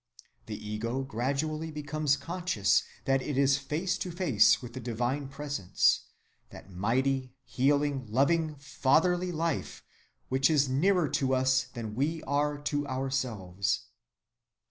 The ego gradually becomes conscious that it is face to face with the Divine Presence; that mighty, healing, loving, Fatherly life which is nearer to us than we are to ourselves.